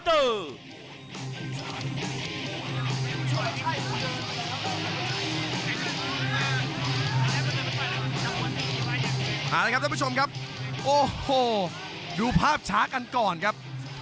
เอาละครับท่านผู้ชมครับโอ้โหดูภาพช้ากันก่อนครับ